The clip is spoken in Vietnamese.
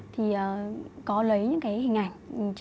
thì có lấy những cái hình ảnh